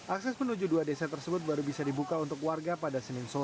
akses menuju dua desa tersebut baru bisa dibuka untuk warga pada senin sore